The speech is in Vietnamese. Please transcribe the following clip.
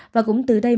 và cũng từ đây đến nay